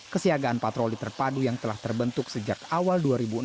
kesiagaan patroli terpadu yang telah terbentuk sejak awal dua ribu enam belas